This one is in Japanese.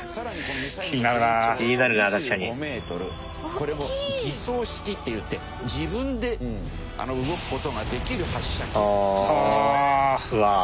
これを自走式っていって自分で動く事ができる発射機なんですね。